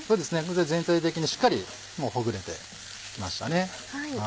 全体的にしっかりほぐれてきましたね。